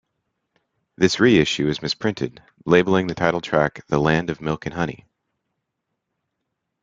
This re-issue is misprinted, labeling the title track The Land of Milk and Honey.